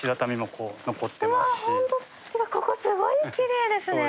ここすごいきれいですね。